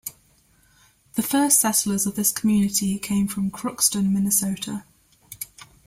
The first settlers of this community came from Crookston, Minnesota.